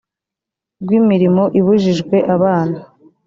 rw imirimo ibujijwe abana